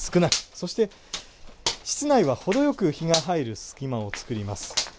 そして、室内は程よく日が入る隙間を作ります。